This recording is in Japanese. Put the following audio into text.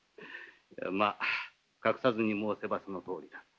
まあ隠さずに申せばそのとおりだ。